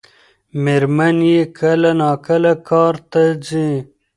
مېرمن یې کله ناکله کار ته ځي.